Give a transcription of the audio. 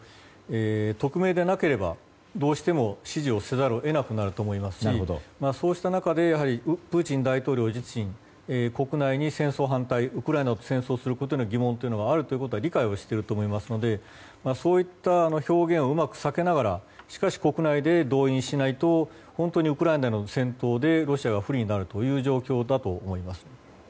匿名でなければどうしても支持せざるを得なくなりますしそうした中でプーチン大統領自身国内に戦争反対、ウクライナと戦争をすることに対する疑問があるというのは理解していると思いますのでそういった表現をうまく避けながら、しかし国内で動員しないと本当にウクライナの戦闘でロシアが不利になる状況だと思います。